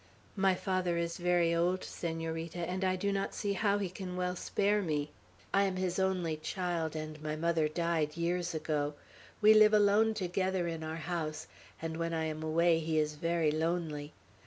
My father is very old, Senorita, and I do not see how he can well spare me. I am his only child, and my mother died years ago. We live alone together in our house, and when I am away he is very lonely.